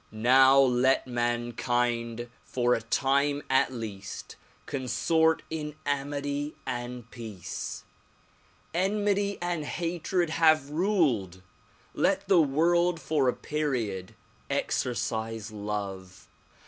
Now let mankind for a time at least, consort in amity and peace. Enmity and hatred have ruled. Let the world for a period, exercise love.